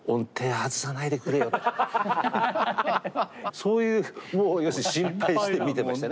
そういう要するに心配して見てましたね。